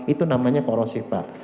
itu namanya korosif pak